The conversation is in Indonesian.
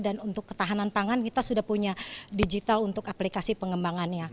dan untuk ketahanan pangan kita sudah punya digital untuk aplikasi pengembangannya